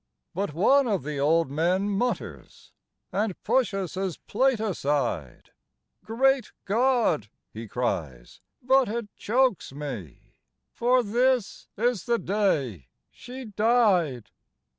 But one of the old men mutters, And pushes his plate aside :" Great God !'* he cries ;" but it chokes me ! For this is the day she died."